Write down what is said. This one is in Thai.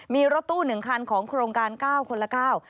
มีรถตู้หนึ่งคันของโครงการ๙คนละ๙